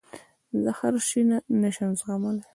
زه هر شی نه شم زغملای.